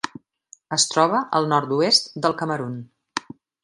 Es troba al nord-oest del Camerun.